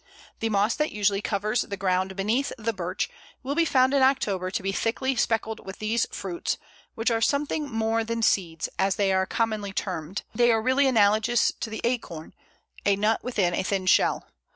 The moss that usually covers the ground beneath the Birch will be found in October to be thickly speckled with these fruits, which are something more than seeds, as they are commonly termed; they are really analogous to the acorn a nut within a thin shell.